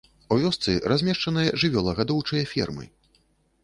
У вёсцы размешчаныя жывёлагадоўчыя фермы.